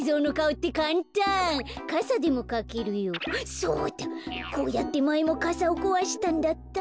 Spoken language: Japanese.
そうだこうやってまえもかさをこわしたんだった。